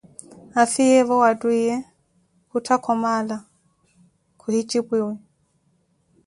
Afiyeevo wa ttwiiye kuttha Khomaala khuhijipwiwi